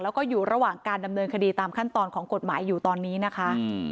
แล้วก็อยู่ระหว่างการดำเนินคดีตามขั้นตอนของกฎหมายอยู่ตอนนี้นะคะ